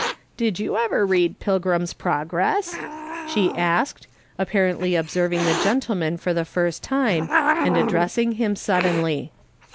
" Did you ever read PilgrinCs Progress ?" she asked, apparently observing the gentleman for the first time, and addressing liim suddenly.